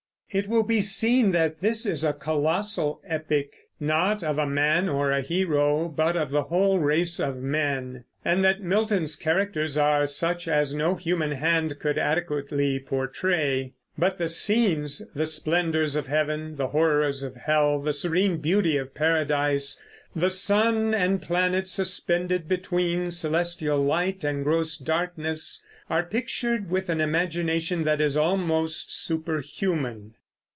It will be seen that this is a colossal epic, not of a man or a hero, but of the whole race of men; and that Milton's characters are such as no human hand could adequately portray. But the scenes, the splendors of heaven, the horrors of hell, the serene beauty of Paradise, the sun and planets suspended between celestial light and gross darkness, are pictured with an imagination that is almost superhuman.